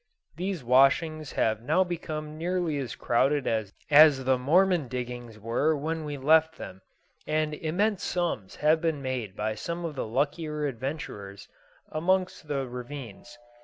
These washings have now become nearly as crowded as the Mormon diggings were when we left them, and immense sums have been made by some of the luckier adventurers amongst the ravines.